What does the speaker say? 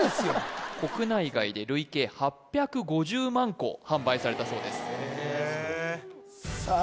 国内外で累計８５０万個販売されたそうですさあ